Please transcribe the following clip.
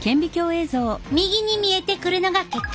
右に見えてくるのが血管。